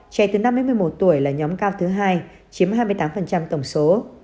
trẻ từ năm mươi một tuổi là nhóm cao thứ hai chiếm hai mươi tám tổng số